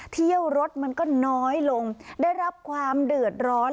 เที่ยวรถมันก็น้อยลงได้รับความเดือดร้อน